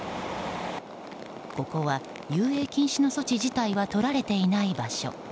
ここは遊泳禁止の措置自体はとられていない場所。